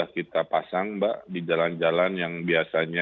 nah posko posko sudah kita pasang mbak di jalan jalan yang biasanya